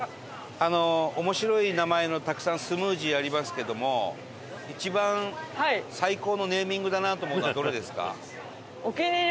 面白い名前のたくさんスムージーありますけども一番最高のネーミングだなと思うのはどれですか？